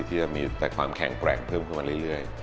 ที่จะมีแต่ความแข็งแกร่งเพิ่มขึ้นมาเรื่อย